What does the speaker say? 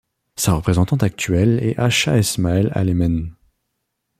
Sa représentante actuelle est Asha Esmael Alemen.